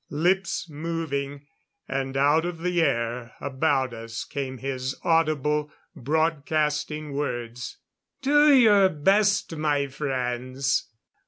Lips moving. And out of the air about us came his audible, broadcasting words. _"Do your best, my friends!"